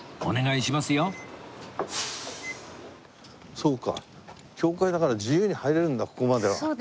そうか教会だから自由に入れるんだここまでは。